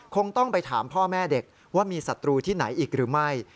คงต้องไปถามพ่อแม่เด็กว่ามีศัตรูที่ไหนอีกหรือไม่